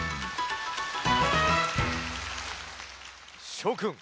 しょくん